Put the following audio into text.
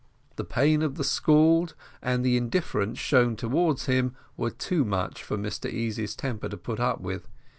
The pain of the scald and the indifference shown towards him were too much for Mr Easy's temper to put up with.